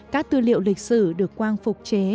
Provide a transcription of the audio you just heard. các tư liệu lịch sử được quang phục chế